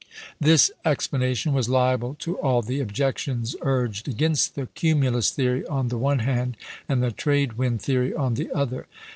This explanation was liable to all the objections urged against the "cumulus theory" on the one hand, and the "trade wind theory" on the other.